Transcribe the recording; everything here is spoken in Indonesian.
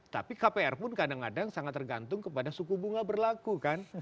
tapi kpr pun kadang kadang sangat tergantung kepada suku bunga berlaku kan